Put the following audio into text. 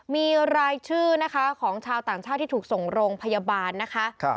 มีรายชื่อนะคะของชาวต่างชาติที่ถูกส่งโรงพยาบาลนะคะ